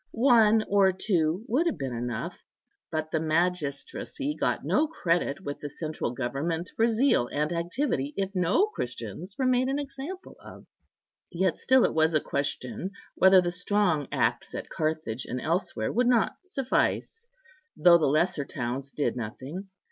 One or two would have been enough; but the magistracy got no credit with the central government for zeal and activity if no Christians were made an example of. Yet still it was a question whether the strong acts at Carthage and elsewhere would not suffice, though the lesser towns did nothing.